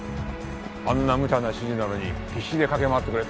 あんな無茶な指示なのに必死で駆け回ってくれた。